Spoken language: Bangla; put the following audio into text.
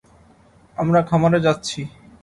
আমরা খামারে যাচ্ছি।